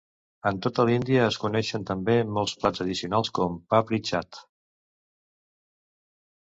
En tota l'Índia es coneixen també molts plats addicionals com papri chaat.